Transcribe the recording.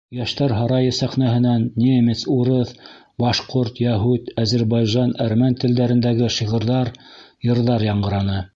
Йәштәр һарайы сәхнәһенән немец, урыҫ, башҡорт, йәһүд, азербайжан, әрмән телдәрендәге шиғырҙар, йырҙар яңғыраны.